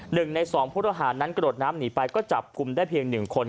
หนึ่งใน๒ผู้ทหารนั้นกระโดดน้ำหนีไปก็จับคุมได้เพียง๑คน